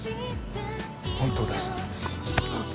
本当です。